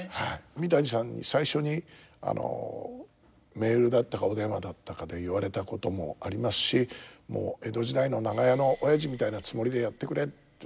三谷さんに最初にメールだったかお電話だったかで言われたこともありますし「もう江戸時代の長屋のおやじみたいなつもりでやってくれ」って。